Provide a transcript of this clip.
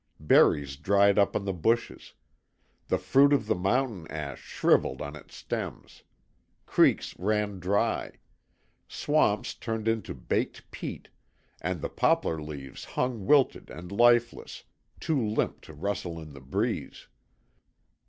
Berries dried up on the bushes; the fruit of the mountain ash shriveled on its stems; creeks ran dry; swamps turned into baked peat, and the poplar leaves hung wilted and lifeless, too limp to rustle in the breeze.